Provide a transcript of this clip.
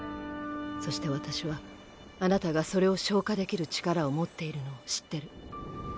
そして私はあなたがそれを昇華できる力を持っているのを知ってる。